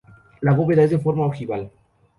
La bóveda es de forma ojival.